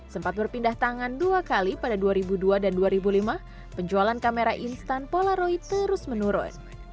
sempat berpindah tangan dua kali pada dua ribu dua dan dua ribu lima penjualan kamera instan polaroid terus menurun